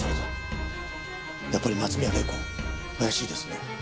やっぱり松宮玲子怪しいですね。